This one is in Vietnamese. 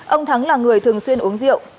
ông thắng là người thường xuyên uống sữa